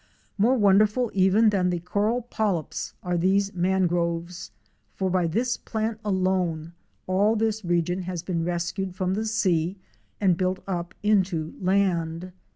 More wonderful even than the coral polyps are these man groves, for by this plant alone all this region has been rescued from the sea and built up into land.